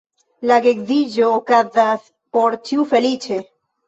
La geedziĝo okazas, por ĉiu feliĉe.